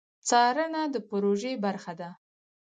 څارنه د پروژې برخه ده